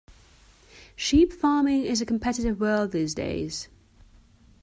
Sheep farming is a competitive world these days.